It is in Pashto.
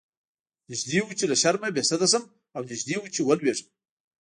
نږدې و چې له شرمه بې سده شم او نږدې و چې ولويږم.